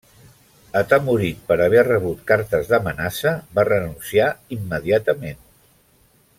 Atemorit per haver rebut cartes d'amenaça, va renunciar immediatament.